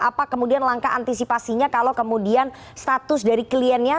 apa kemudian langkah antisipasinya kalau kemudian status dari kliennya